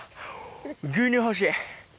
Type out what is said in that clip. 牛乳欲しい。